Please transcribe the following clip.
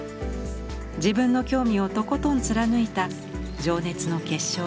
自分の興味をとことん貫いた情熱の結晶です。